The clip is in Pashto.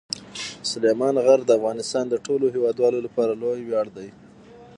سلیمان غر د افغانستان د ټولو هیوادوالو لپاره لوی ویاړ دی.